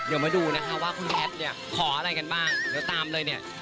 เดี๋ยวมาดูนะคะว่าคุณแพทย์เนี่ยขออะไรกันบ้างเดี๋ยวตามเลยเนี่ย